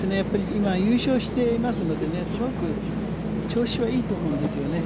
今、優勝していますのですごく調子はいいと思うんですよね。